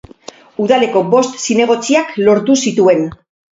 Udaleko bost zinegotziak lortu zituen.